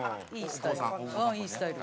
いいスタイル。